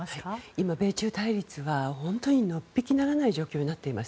今、米中対立は本当にのっぴきならない状況になっています。